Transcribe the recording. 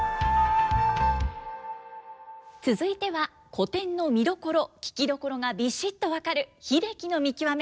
続いては古典の見どころ聴きどころがビシッと分かる「英樹の見きわめ」。